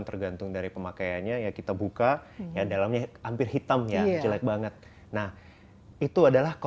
tergantung dari pemakaiannya ya kita buka ya dalamnya hampir hitam ya jelek banget nah itu adalah